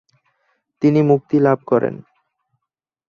তিনি মুক্তি লাভ করেন।